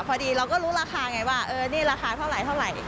พอดีเราก็รู้ราคาอย่างไรว่านี่ราคาเท่าไหร่เท่าไหร่